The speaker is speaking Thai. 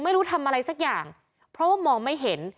ไม่รู้ทำอะไรสักอย่างเพราะว่ามองไม่เห็น